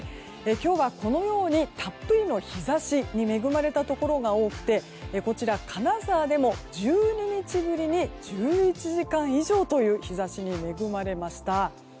今日はこのようにたっぷりの日差しに恵まれたところが多くてこちら、金沢でも１２日ぶりに１１時間以上という日差しに恵まれました。